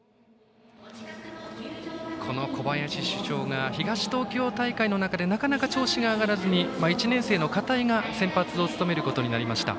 この小林主将が東東京大会の中でなかなか調子が上がらず１年生の片井が先発を務めることになりました。